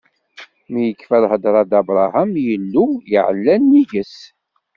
Mi yekfa lhedṛa d Abṛaham, Illu iɛella nnig-s.